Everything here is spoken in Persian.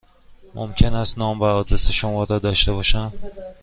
ممکن است نام و آدرس شما را داشته باشم؟